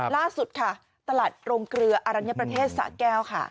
ล่าสุดค่ะตลาดโรงเกลืออรัญญประเทศสะแก้วค่ะ